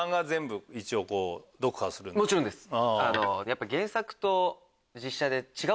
もちろんです。